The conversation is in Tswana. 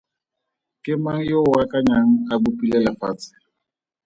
Ke mang yo o akanyang a bopile lefatshe?